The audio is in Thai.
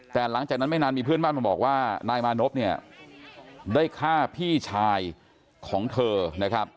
แต่หลังจากนั้นไม่นานมีเพื่อนบ้านมาบอกว่านายมานพเนี่ยได้ฆ่าพี่ชายของเธอนะครับ